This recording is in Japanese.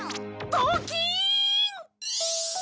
ドキーン！